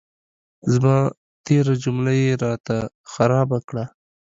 زما تېره جمله یې را ته خرابه کړه.